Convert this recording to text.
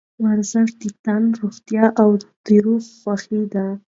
ورزش د تن روغتیا او د روح خوښي ده.